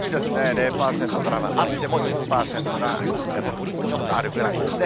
０％から、あっても１０％が、北部にちょっとあるぐらいですね。